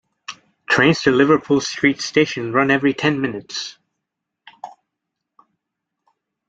Trains to Liverpool Street station run every ten minutes.